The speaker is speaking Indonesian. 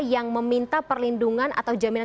yang meminta perlindungan atau jaminan